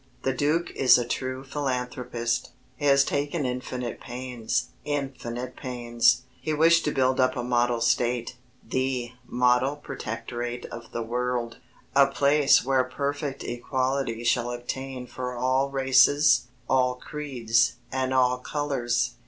The Duke is a true philanthropist. He has taken infinite pains infinite pains. He wished to build up a model state, the model protectorate of the world, a place where perfect equality shall obtain for all races, all creeds, and all colours.